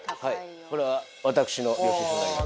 これは私の領収書になります。